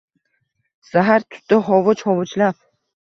Zahar tutdi hovuch-hovuchlab.